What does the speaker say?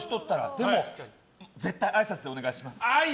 でも、絶対あいさつでお願いします。